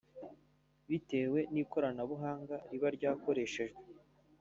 bitewe n’ikoranabuhanga riba ryakoreshejwe